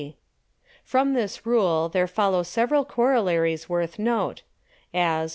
From this Rule there follow several Corollaries worth Note: As I.